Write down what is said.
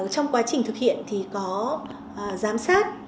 trong quá trình thực hiện thì có giám sát